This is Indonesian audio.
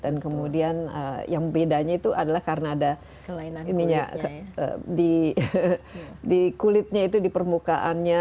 dan kemudian yang bedanya itu adalah karena ada kelainan kulitnya di permukaannya